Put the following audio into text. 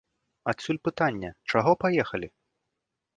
Адсюль пытанне, чаго паехалі?